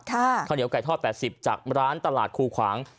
ข้าวเหนียวไก่ทอด๘๐จากร้านตลาดคูขวาง